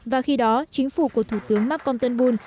và khi đó chính phủ của thủ tướng mark contenboom